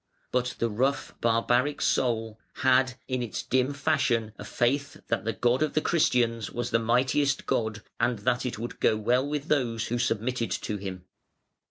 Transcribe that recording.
But the rough barbaric soul had in its dim fashion a faith that the God of the Christians was the mightiest God, and that it would go well with those who submitted to him.